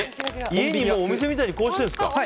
家に、お店みたいにこうしてるんですか？